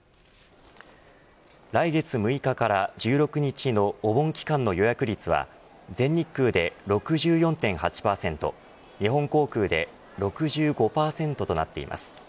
来月６日から１６日のお盆期間の予約率は全日空で６４．８％日本航空で６５％となっています。